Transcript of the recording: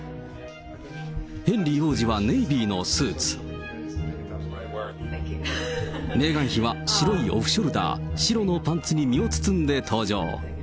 ヘンリー王子はネイビーのスーツ、メーガン妃は白のオフショルダー、白のパンツに身を包んで登場。